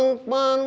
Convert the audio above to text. allahu akbar allah